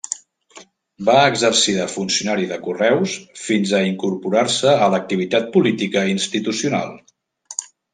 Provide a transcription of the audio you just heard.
Va exercir de funcionari de correus fins a incorporar-se a l'activitat política institucional.